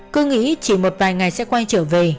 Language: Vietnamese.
cứ nghĩ chỉ một vài ngày sẽ quay trở về